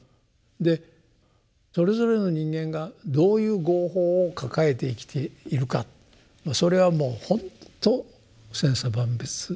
でそれぞれの人間がどういう「業報」を抱えて生きているかそれはもうほんと千差万別でしょうね。